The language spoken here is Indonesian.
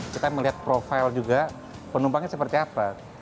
kita melihat profil juga penumpangnya seperti apa